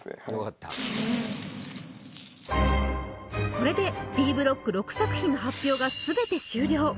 これでＢブロック６作品の発表が全て終了